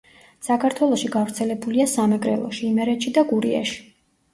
საქართველოში გავრცელებულია სამეგრელოში, იმერეთში და გურიაში.